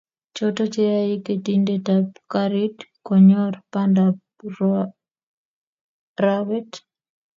Choto cheyaei ketindetap garit konyor bandap rwaet